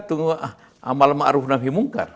tunggu amal ma'ruf nafi mungkar